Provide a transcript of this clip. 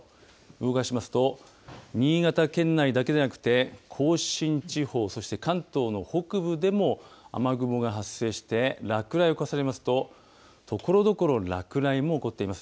動かしますと、新潟県内だけではなくて、甲信地方、そして関東の北部でも雨雲が発生して、落雷を重ねますと、ところどころ落雷も起こっています。